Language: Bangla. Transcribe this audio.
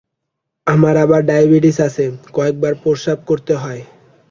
আমার আবার ডায়াবেটিস আছে, কয়েকবার প্রস্রাব করতে হয়।